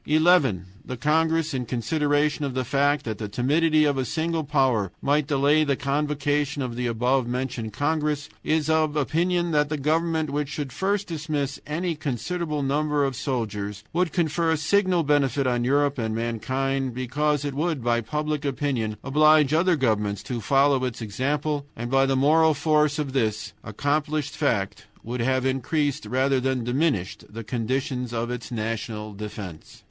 "11. The congress, in consideration of the fact that the timidity of a single power might delay the convocation of the above mentioned congress, is of opinion that the government which should first dismiss any considerable number of soldiers would confer a signal benefit on Europe and mankind, because it would, by public opinion, oblige other governments to follow its example, and by the moral force of this accomplished fact would have increased rather than diminished the conditions of its national defense.